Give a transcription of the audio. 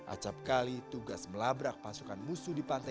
acapkali tugas melabrak pasukan musuh di pantai